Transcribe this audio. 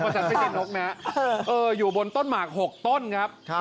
เพราะฉันไม่ได้นกนะเอออยู่บนต้นหมากหกต้นครับครับ